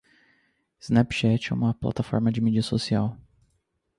Snapchat é uma plataforma de mídia social.